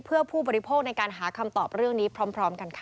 เพื่อผู้บริโภคในการหาคำตอบเรื่องนี้พร้อมกันค่ะ